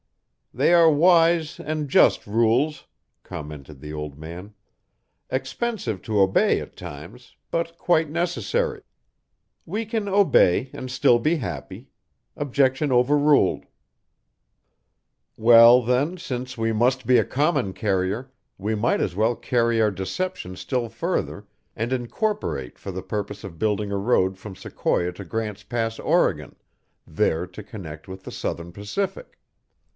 "They are wise and just rules," commented the old man, "expensive to obey at times, but quite necessary. We can obey and still be happy. Objection overruled." "Well, then, since we must be a common carrier, we might as well carry our deception still further and incorporate for the purpose of building a road from Sequoia to Grant's Pass, Oregon, there to connect with the Southern Pacific."